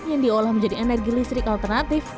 yang diolah menjadi energi listrik alternatif